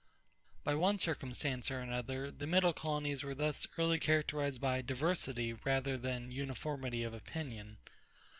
By one circumstance or another, the Middle colonies were thus early characterized by diversity rather than uniformity of opinion.